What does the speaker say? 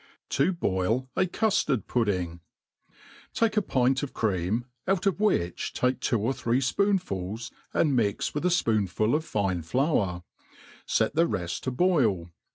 7i boil a Cuftard Pudding, TAKE a pint of cream, out of which take two or three l^iooR* fuls, and mix with a fpoonful of fine flour; fet the reft to boil.